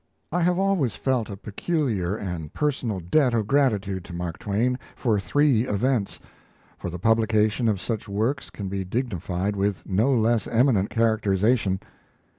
I have always felt a peculiar and personal debt of gratitude to Mark Twain for three events for the publication of such works can be dignified with no less eminent characterization.